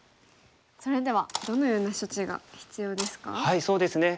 それではどのような処置が必要ですか？